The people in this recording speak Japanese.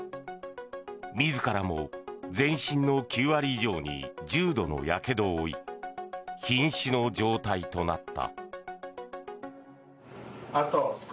自らも全身の９割以上に重度のやけどを負いひん死の状態となった。